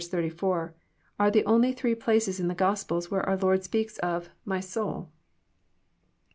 84, are the only three places in the Gospels where our Lord speaks of " My soul."